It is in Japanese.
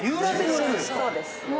そうです。